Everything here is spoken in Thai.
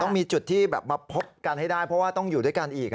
ต้องมีจุดที่แบบมาพบกันให้ได้เพราะว่าต้องอยู่ด้วยกันอีก